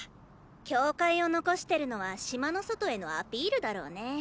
教会を残してるのは島の外へのアピールだろうね。